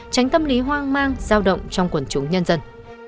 tránh tâm lý hoang mang giao động trong quần chúng nhân dân